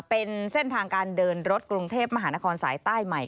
เป็นเส้นทางการเดินรถกรุงเทพมหานครสายใต้ใหม่